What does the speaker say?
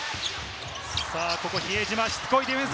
比江島、しつこいディフェンス。